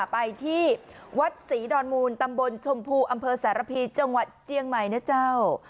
ไปที่วัดศรีดอนมูลตำบลชมพูอำเภอสารพีจังหวัดเจียงใหม่นะเจ้า